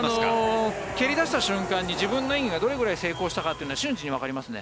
蹴り出した瞬間に自分の演技がどれくらい成功したというのは瞬時でわかりますね。